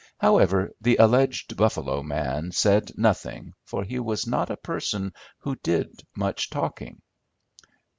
However, the alleged Buffalo man said nothing, for he was not a person who did much talking.